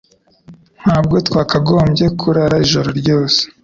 Ntabwo twakagombye kurara ijoro ryose